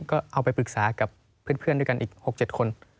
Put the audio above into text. ก็เอาไปปรึกษากับเพื่อนด้วยกันอีก๖๗คน